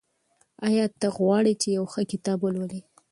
آیا ته غواړې چې یو ښه کتاب ولولې؟